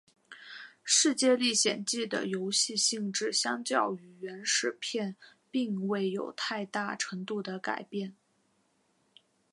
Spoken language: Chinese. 世界历险记的游戏性质相较于原始片并未有太大程度的改变。